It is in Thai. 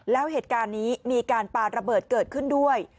แล้วเหตุการณ์นี้มีการปาระเบิดเกิดขึ้นด้วย